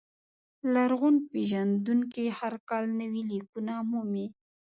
لرغون پېژندونکي هر کال نوي لیکونه مومي.